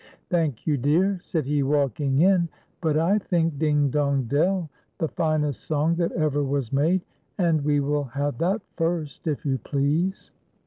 " Thank you, dear," said he, walking in ;" but I think 'Ding, dong, dell,' the finest song that ever was made, and we will have that first, if }'ou please."